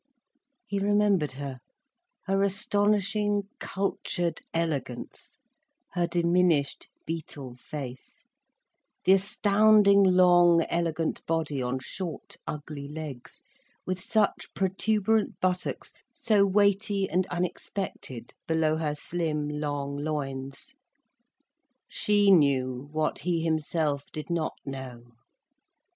He remembered her: her astonishing cultured elegance, her diminished, beetle face, the astounding long elegant body, on short, ugly legs, with such protuberant buttocks, so weighty and unexpected below her slim long loins. She knew what he himself did not know.